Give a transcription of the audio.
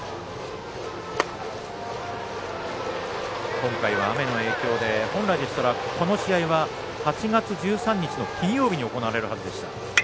今回は雨の影響で本来ならばこの試合は８月１３日の金曜日に行われるはずでした。